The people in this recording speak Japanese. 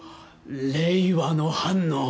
令和の反応！